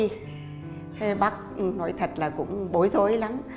thế bác nói thật là cũng bối rối lắm